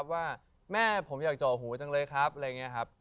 ว่าแม่ผมอยากเจาะหูจังเลยครับ